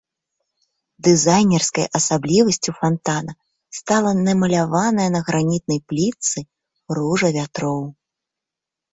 Дызайнерскай асаблівасцю фантана стала намаляваная на гранітнай плітцы ружа вятроў.